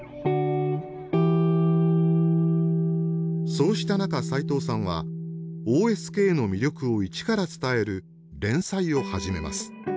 そうした中齋藤さんはＯＳＫの魅力を一から伝える連載を始めます。